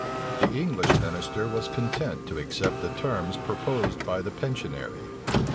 The English minister was content to accept of the terms proposed by the pensionary.